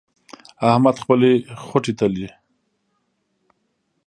احمد خپلې خوټې تلي.